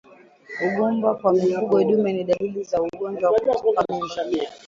Ugumba kwa mifugo dume ni dalili za ugonjwa wa kutupa mimba